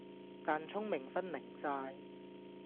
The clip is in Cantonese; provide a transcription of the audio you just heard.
但聰明分零晒